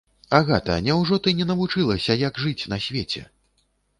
Агата, няўжо ты не навучылася, як жыць на свеце?